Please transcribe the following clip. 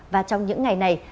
và trong những ngày này